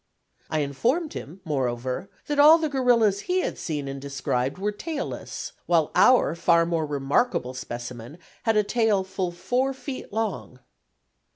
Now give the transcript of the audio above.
I informed him, moreover, that all the gorillas he had seen and described were tailless, while our far more remarkable specimen had a tail full four feet long!